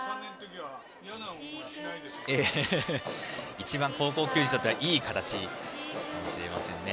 一番高校球児にとってはいい形かもしれませんね。